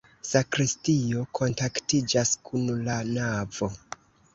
Sakristio kontaktiĝas kun la navo.